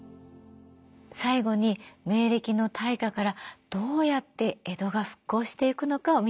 最後に明暦の大火からどうやって江戸が復興してゆくのかを見ていきましょう。